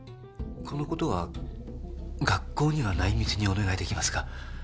このことは学校には内密にお願いできますか？